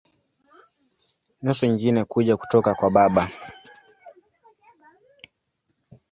Nusu nyingine kuja kutoka kwa baba.